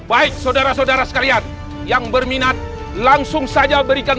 hai baik saudara saudara sekalian yang berminat langsung saja berikan